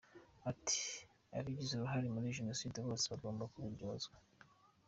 Ati "Abagize uruhare muri Jenoside bose bagomba kubiryozwa.